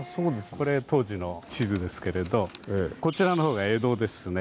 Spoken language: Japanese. これ当時の地図ですけれどこちらの方が江戸ですね。